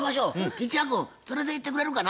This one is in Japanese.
吉弥君連れていってくれるかな？